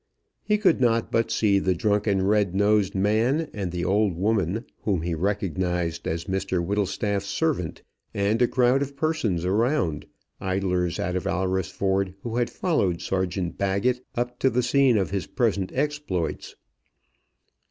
He could not but see the drunken red nosed man, and the old woman, whom he recognised as Mr Whittlestaff's servant, and a crowd of persons around, idlers out of Alresford, who had followed Sergeant Baggett up to the scene of his present exploits.